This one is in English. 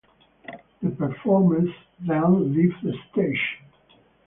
The performers then leave the stage.